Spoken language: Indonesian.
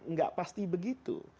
tidak pasti begitu